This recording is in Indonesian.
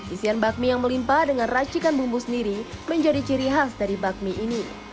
isian bakmi yang melimpa dengan racikan bumbu sendiri menjadi ciri khas dari bakmi ini